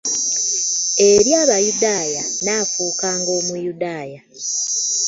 Eri Abayudaaya nafuukanga Omuyudaaya.